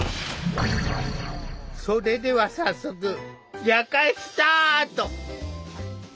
それでは早速夜会スタート！